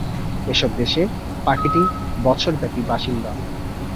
এসব দেশে পাখিটি বছরব্যাপী বাসিন্দা।